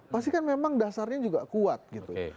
pasti kan memang dasarnya juga kuat gitu